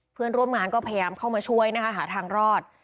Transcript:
เพื่อนร่วมงานก็พยายามเข้ามาช่วยนะคะหาทางรอด